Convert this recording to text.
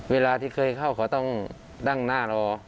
เวลาที่เคยเข้าเขาต้องดั้งหน้ารอ